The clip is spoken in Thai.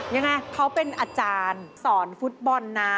ยังไงเขาเป็นอาจารย์สอนฟุตบอลนะ